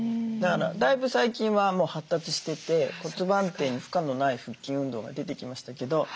だからだいぶ最近はもう発達してて骨盤底に負荷のない腹筋運動が出てきましたけど。